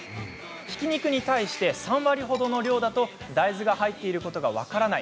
ひき肉に対して３割程の量だと大豆が入っていることが分からない。